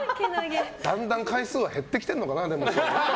だんだん回数は減ってきてるのかな、でも。